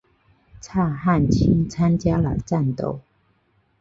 蔡汉卿参加了战斗。